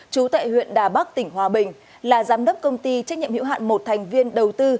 chú tại huyện đà bắc tỉnh hòa bình là giám đốc công ty trách nhiệm hữu hạn một thành viên đầu tư